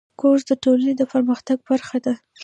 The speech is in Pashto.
کورس د ټولنې د پرمختګ برخه ده.